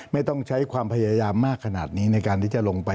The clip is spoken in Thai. ไม่ต้องใช้ความพยายามมากขนาดนี้ในการที่จะลงไป